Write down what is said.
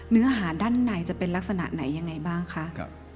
เนื้อหาด้านในจะเป็นลักษณะไหนยังไงบ้างคะ